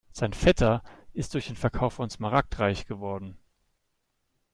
Sein Vetter ist durch den Verkauf von Smaragd reich geworden.